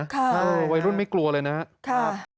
ค่ะค่ะค่ะค่ะค่ะค่ะค่ะวัยรุ่นไม่กลัวเลยนะ